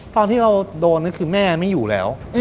ตอนที่เราโดนก็คือแม่ไม่อยู่แล้ว